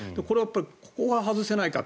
ここは外せないかと。